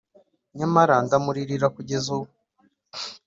nyamara ndamuririra kugeza ubu;